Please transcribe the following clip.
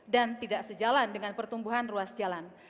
dan tidak sejalan dengan pertumbuhan ruas jalan